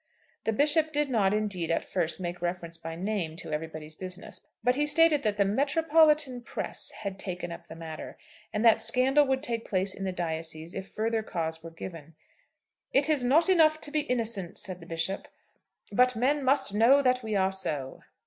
The Bishop did not indeed, at first, make reference by name to 'Everybody's Business,' but he stated that the "metropolitan press" had taken up the matter, and that scandal would take place in the diocese if further cause were given. "It is not enough to be innocent," said the Bishop, "but men must know that we are so."